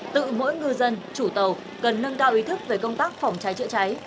tự mỗi ngư dân chủ tàu cần nâng cao ý thức về công tác phòng cháy chữa cháy